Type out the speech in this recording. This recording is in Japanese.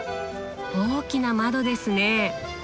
大きな窓ですね！